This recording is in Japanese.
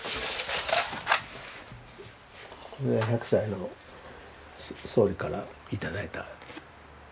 これは１００歳の総理からいただいた。